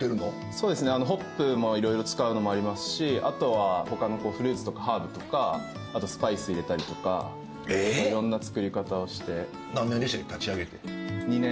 そうですねホップもいろいろ使うのもありますしあとは他のフルーツとかハーブとかあとスパイス入れたりとかいろんな造り方をして。